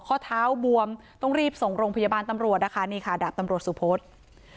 ข้อเท้าบวมต้องรีบส่งโรงพยาบาลตำรวจนะคะนี่ค่ะดาบตำรวจสุพศ